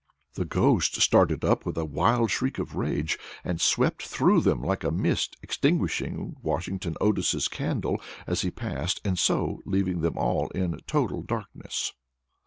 The ghost started up with a wild shriek of rage, and swept through them like a mist, extinguishing Washington Otis's candle as he passed, and so leaving them all in total darkness.